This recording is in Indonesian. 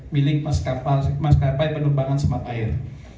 milik maskapai penerbangan semat air